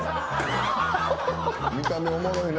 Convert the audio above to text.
見た目おもろいな。